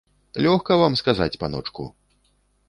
Лёгка вам сказаць, паночку.